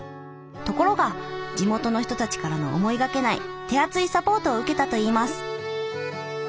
ところが地元の人たちからの思いがけない手厚いサポートを受けたといいます。